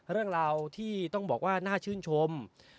เรื่องราวที่ต้องบอกว่าน่าชื่นชม